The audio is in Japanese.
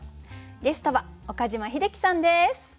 ゲストは岡島秀樹さんです。